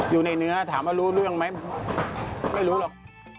เนื้อถามว่ารู้เรื่องไหมไม่รู้หรอก